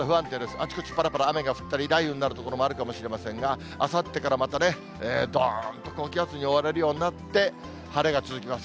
あちこちぱらぱら雨が降ったり、雷雨になる所もあるかもしれませんが、あさってからまたね、どーんと高気圧に覆われるようになって、晴れが続きます。